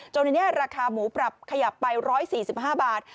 ในนี้ราคาหมูปรับขยับไป๑๔๕บาท